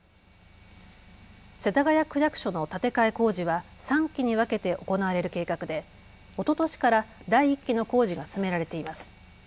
世田谷区役所の建て替え工事は３期に分けて行われる計画でおととしから第１期の工事が進められています。